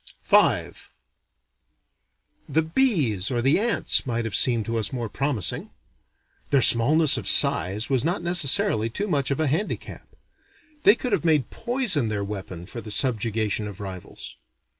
V The bees or the ants might have seemed to us more promising. Their smallness of size was not necessarily too much of a handicap. They could have made poison their weapon for the subjugation of rivals.